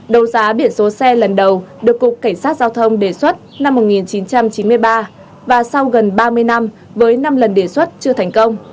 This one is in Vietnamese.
đấu giá biển số xe lần đầu được cục cảnh sát giao thông đề xuất năm một nghìn chín trăm chín mươi ba và sau gần ba mươi năm với năm lần đề xuất chưa thành công